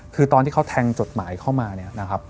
คือตอนที่เขาแทงจดหมายเข้ามา